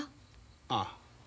ああ。